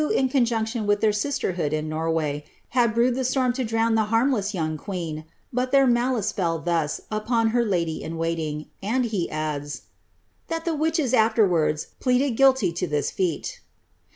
in conjunction wiili their sisterhood in Norway, had brewed the storm to dniwn tlie harmless young queen, but their malice fell thus upon her lady in woiling; and he adds, "that tlie witches a Iter wards pleaded guilij to this feat."